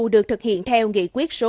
được thực hiện theo nghị quyết số một mươi